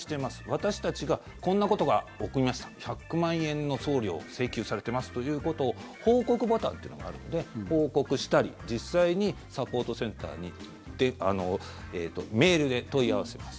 私たちがこんなことが起こりました１００万円の送料請求されていますということを報告ボタンというのがあるので報告したり実際にサポートセンターにメールで問い合わせます。